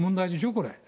これ。